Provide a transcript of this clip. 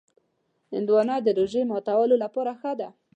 هندوانه د روژې ماتولو لپاره ښه ده.